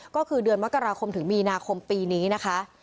ก็คือเดือนมกราคมถึงมีนาคมปีนี้นะคะ